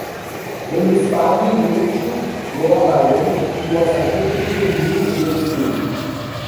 When his family moved to Goabagan, he was admitted to the New Indian School.